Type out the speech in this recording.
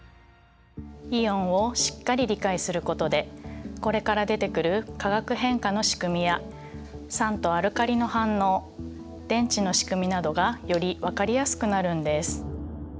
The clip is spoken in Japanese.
イオンをしっかり理解することでこれから出てくる化学変化の仕組みや酸とアルカリの反応電池の仕組みなどがより分かりやすくなるんです。